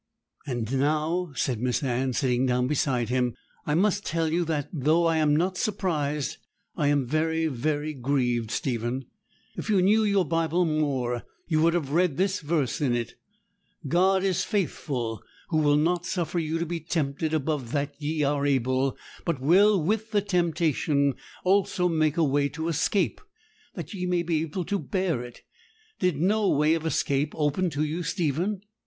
'And now,' said Miss Anne, sitting down beside him, 'I must tell you that, though I am not surprised, I am very, very grieved, Stephen. If you knew your Bible more, you would have read this verse in it, "God is faithful, who will not suffer you to be tempted above that ye are able; but will with the temptation also make a way to escape, that ye may be able to bear it." Did no way of escape open to you, Stephen?'